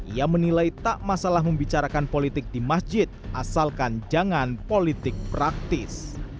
ia menilai tak masalah membicarakan politik di masjid asalkan jangan politik praktis